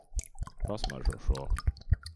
Pasmaržo šo.